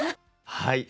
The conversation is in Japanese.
はい。